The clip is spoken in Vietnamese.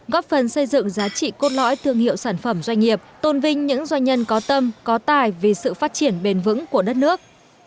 góp phần xây dựng giá trị cốt lõi thương hiệu sản phẩm doanh nghiệp tôn vinh những doanh nhân có tâm có tài vì sự phát triển bền vững của đất nước